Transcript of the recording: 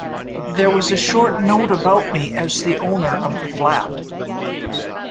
There was a short note about me as the owner of the flat.